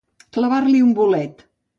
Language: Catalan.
Clavar-li un bolet.